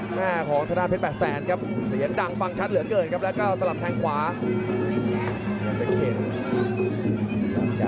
เนื้อของธนาจภาพและลูกทรีย์เกิบ๘แสนครับ